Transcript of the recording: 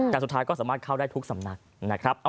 แต่สุดท้ายก็สามารถเข้าได้ทุกสำนักนะครับ